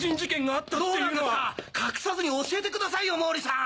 隠さずに教えてくださいよ毛利さん！